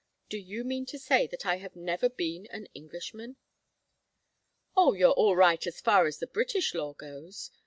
Do you mean to say that I have never been an Englishman?" "Oh, you are all right as far as the British law goes.